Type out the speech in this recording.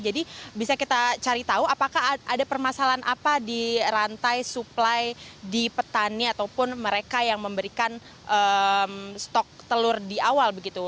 jadi bisa kita cari tahu apakah ada permasalahan apa di rantai supply di petani ataupun mereka yang memberikan stok telur di awal begitu